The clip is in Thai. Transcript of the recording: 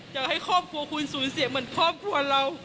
อยากให้ครอบครัวคุณสูญเสียเหมือนครอบครัวเรา